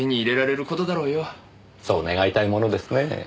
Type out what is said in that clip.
そう願いたいものですねえ。